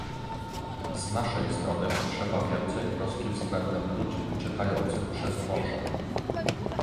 Z naszej strony potrzeba więcej troski względem ludzi uciekających przez morze